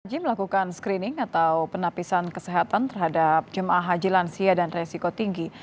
wajib melakukan screening atau penapisan kesehatan terhadap jemaah haji lansia dan resiko tinggi